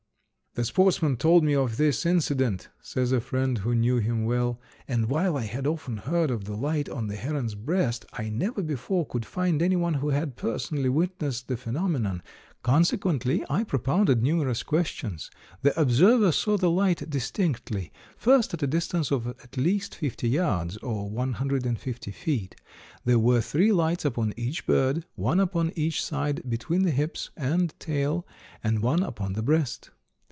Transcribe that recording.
"The sportsman told me of this incident," says a friend who knew him well, "and, while I had often heard of the light on the heron's breast, I never before could find anyone who had personally witnessed the phenomenon, consequently I propounded numerous questions. The observer saw the light distinctly; first at a distance of at least fifty yards, or one hundred and fifty feet. There were three lights upon each bird one upon each side between the hips and tail, and one upon the breast.